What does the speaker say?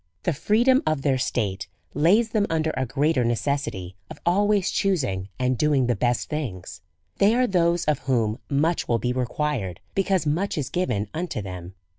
The freedom of their state lays them under a great er necessity of always choosing and doing the best things. They are those of whom much will be required^ be cause much is given unto them.